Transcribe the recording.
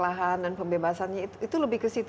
lahan dan pembebasannya itu lebih ke situ